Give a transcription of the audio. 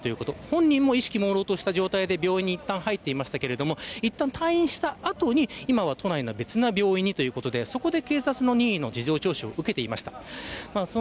本人も意識がもうろうとした状態で病院に入っていましたがいったん退院した後に、今は別の都内の病院にということでそこで任意の事情聴取を受けていました。